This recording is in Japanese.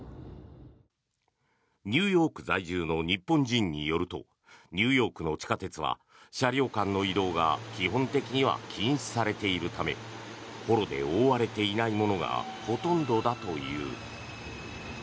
ニューヨーク在住の日本人によるとニューヨークの地下鉄は車両間の移動が基本的には禁止されているため幌で覆われていないものがほとんどだという。